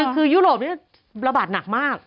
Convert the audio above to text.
คือยุโรปนี้ระบาดหนักมาก